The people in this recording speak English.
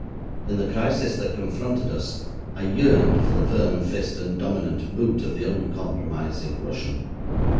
In the crisis that confronted us, I yearned for the firm fist and dominant boot of the uncompromising Russian.